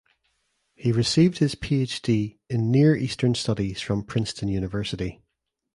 He received his PhD in Near Eastern Studies from Princeton University.